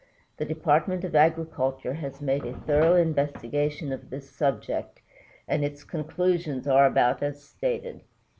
The Department of Agriculture has made a thorough investigation of this subject, and its conclusions are about as stated.